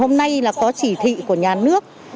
hôm nay là có chỉ thị của nhà nước